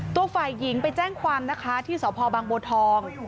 ตัวฝ่ายหญิงไปแจ้งความนะคะที่สพบางบัวทอง